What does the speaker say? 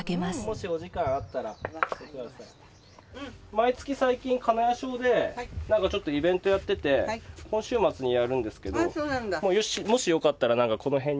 毎月最近金谷小でちょっとイベントやってて今週末にやるんですけどもしよかったらなんかこの辺に。